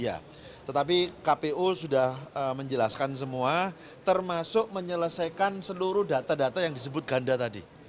ya tetapi kpu sudah menjelaskan semua termasuk menyelesaikan seluruh data data yang disebut ganda tadi